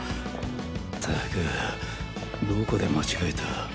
ったくどこで間違えた？